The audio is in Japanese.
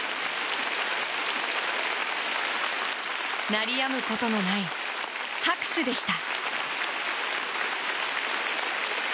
鳴りやむことのない拍手でした。